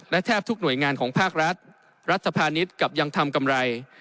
และแทบทุกหน่วยงานของภาครัฐรัฐสภานิษฐ์กลับยังทำกำไร